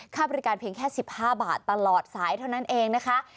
ค่าบริการเพียงแค่๑๕บาทตลอดสายเท่านั้นเองนะคะ